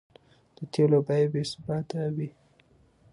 د تېلو بیې بې ثباته وې؛